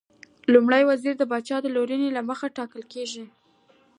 لومړی وزیر د پاچا د لورینې له مخې ټاکل کېږي.